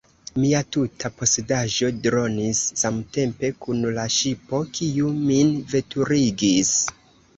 Mia tuta posedaĵo dronis samtempe kun la ŝipo, kiu min veturigis.